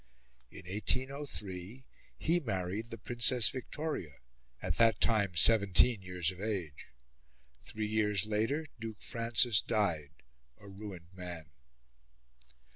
In 1803 he married the Princess Victoria, at that time seventeen years of age. Three years later Duke Francis died a ruined man.